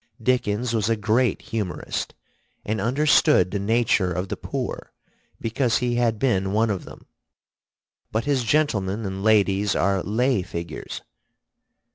Dickens was a great humorist, and understood the nature of the poor because he had been one of them; but his gentlemen and ladies are lay figures.